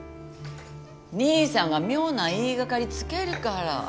兄さんが妙な言い掛かりつけるから。